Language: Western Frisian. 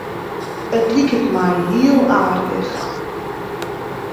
It liket my hiel aardich.